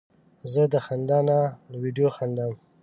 زه د خندا له ویډیو خندم.